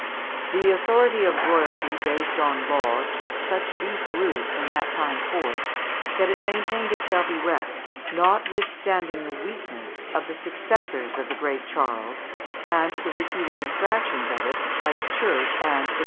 The authority of royalty based on law took such deep root from that time forth, that it maintained itself erect, notwithstanding the weakness of the successors of the great Charles, and the repeated infractions of it by the Church and the great vassals of the crown (Fig.